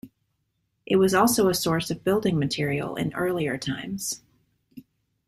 It was also a source of building material in earlier times.